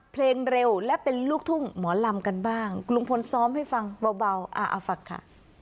เพลงเร็วและเป็นลูกทุ่งหมอลำกันบ้างลุงพลซ้อมให้ฟังเบาอ่าเอาฟังค่ะ